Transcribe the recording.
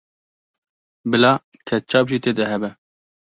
Bila ketçap jî tê de hebe.